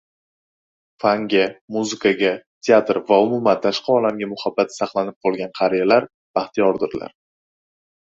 Fanga, muzikaga, teatrga va umuman, tashqi olamga muhabbati saqlanib qolgan qariyalar baxtiyordirlar.